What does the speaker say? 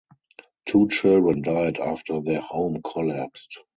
Two children died after their home collapsed.